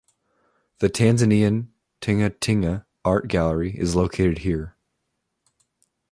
The Tanzanian Tingatinga Art Gallery is located here.